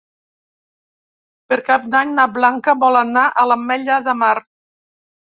Per Cap d'Any na Blanca vol anar a l'Ametlla de Mar.